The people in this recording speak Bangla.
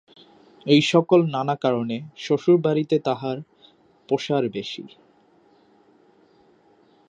এই-সকল নানা কারণে শ্বশুরবাড়িতে তাঁহার পসার বেশি।